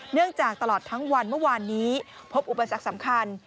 เนื่องจากตลอดทั้งวันเมื่อวานนี้พบอุปสรรคสำคัญ